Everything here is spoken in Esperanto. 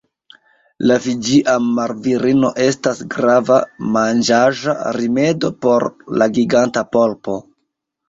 La fiĝia marvirino estas grava manĝaĵa rimedo por la giganta polpo.